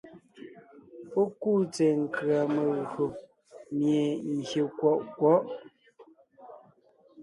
Pɔ́ kúu tsɛ̀ɛ nkʉ̀a megÿò mie gyè kwɔʼ kwɔ̌ʼ.